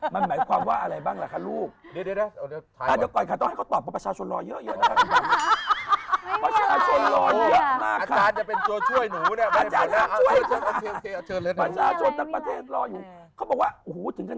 มันหมายความว่าอะไรบ้างล่ะคะลูก